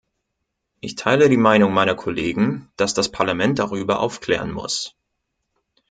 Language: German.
Ich teile die Meinung meiner Kollegen, dass das Parlament darüber aufklären muss.